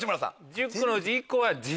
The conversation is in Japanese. １０個のうち１個は。